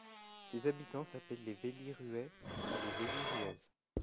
Ses habitants s'appellent les Velliruais et les Velliruaises.